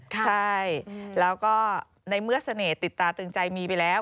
ใช่แล้วก็ในเมื่อเสน่ห์ติดตาตึงใจมีไปแล้ว